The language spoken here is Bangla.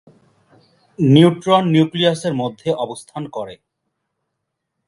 নিউট্রন নিউক্লিয়াসের মধ্যে অবস্থান করে।